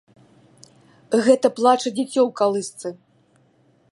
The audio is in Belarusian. Гэта плача дзіцё ў калысцы.